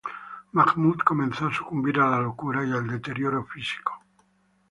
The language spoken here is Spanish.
Mahmud comenzó a sucumbir a la locura y al deterioro físico.